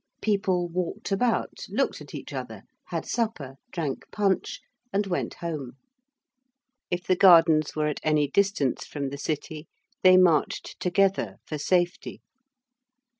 People walked about, looked at each other, had supper, drank punch and went home. If the Gardens were at any distance from the City they marched together for safety.